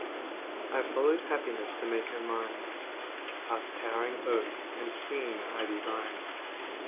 I followed happiness to make her mine, Past towering oak and swinging ivy vine.